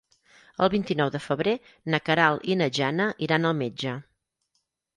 El vint-i-nou de febrer na Queralt i na Jana iran al metge.